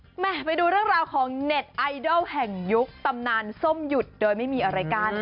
มาดูเรื่องราวของเน็ตไอดอลแห่งยุคตำนานส้มหยุดโดยไม่มีอะไรกัน